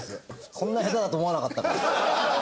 こんな下手だと思わなかったから。